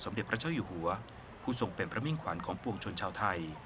เด็จพระเจ้าอยู่หัวผู้ทรงเป็นพระมิ่งขวัญของปวงชนชาวไทย